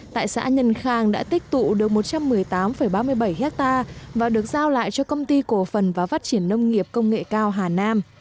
tại xã nhân khang đã tích tụ được một trăm một mươi tám ba mươi bảy hectare và được giao lại cho công ty cổ phần và phát triển nông nghiệp công nghệ cao hà nam